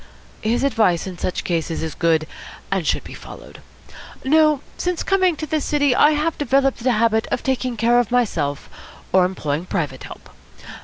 His advice in such cases is good, and should be followed. No; since coming to this city I have developed a habit of taking care of myself, or employing private help.